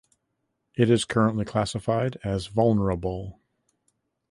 It is currently classified as vulnerable.